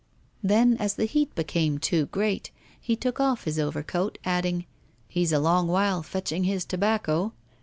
Then, as the heat became too great, he took off his over coat, adding: 'He's a long while fetching his tobacco.